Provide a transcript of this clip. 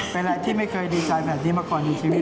เป็นอะไรที่ไม่เคยดีใจแบบนี้มาก่อนในชีวิต